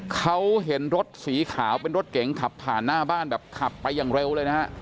เขาเห็นรถสีขาวเป็นรถเก๋งขับผ่านหน้าบ้านแบบขับไปอย่างเร็วเลยนะฮะ